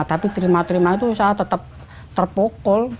tapi terima terima itu saya tetap terpukul